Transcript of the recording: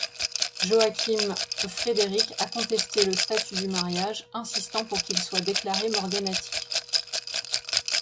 Joachim Frédéric a contesté le statut du mariage, insistant pour qu'il soit déclaré morganatique.